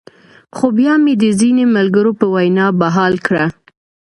خو بيا مې د ځينې ملګرو پۀ وېنا بحال کړۀ -